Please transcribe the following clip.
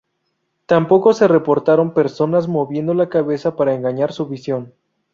Tampoco se reportaron personas moviendo la cabeza para engañar su visión.